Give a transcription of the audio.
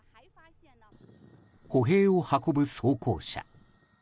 歩兵を運ぶ装甲車。